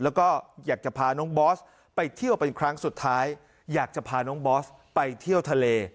แล้วก็อยากจะพาน้องบอสไปเที่ยวเป็นครั้งสุดท้ายอยากจะพาน้องบอสไปเที่ยวทะเล